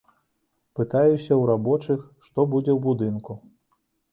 Пытаюся ў рабочых, што будзе ў будынку.